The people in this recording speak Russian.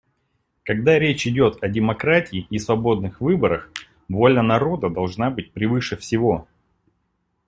Когда речь идет о демократии и свободных выборах, воля народа должна быть превыше всего.